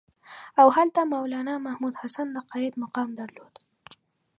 او هلته مولنا محمودالحسن د قاید مقام درلود.